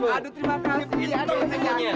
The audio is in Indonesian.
aduh terima kasih